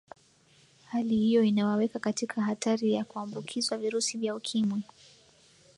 hali hiyo inawaweka katika hatari ya kuambukizwa virusi vya ukimwi